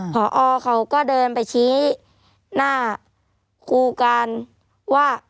พอเขาก็เดินไปชี้หน้าครูการว่า